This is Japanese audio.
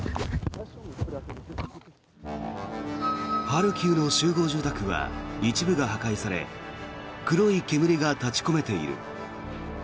ハルキウの集合住宅は一部が破壊され黒い煙が立ち込めている。